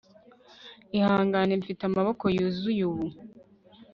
ihangane, mfite amaboko yuzuye ubu